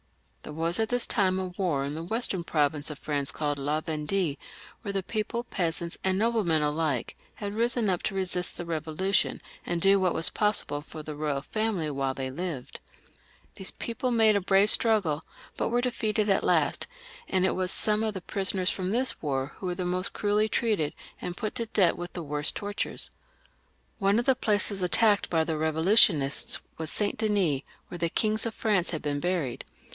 There was at this time a war in a western province of France called La Vendue, where the people, peasants and noblemen alike, had risen np to resist the Bevolution, and do what was possible for the royal family while they lived. These people made a brave struggle, but were defeated at last, and it was some of the prisoners from this war who were the most cruelly treated, and put to death with the worst tortures. One of the places attacked by the Revolutionists was Saint Denis, where the kings of France had been buried.